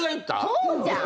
そうじゃん！